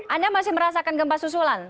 anda masih merasakan gempa susulan